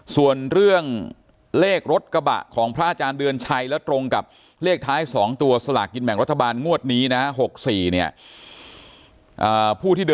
ส่วนเรื่องเลขรถกระบะของพระอาจารย์เดือนชัยแล้วตรงกับเลขท้าย๒ตัวสลากกินแบ่งรัฐบาลงวดนี้นะ๖๔เนี่ย